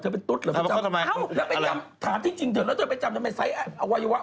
เรื่องที่ผู้ชายควรจะไปจำว่าใส่อวัยวะ